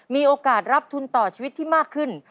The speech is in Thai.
มีโอกาสรับทุนต่อชีวิตที่มากขึ้น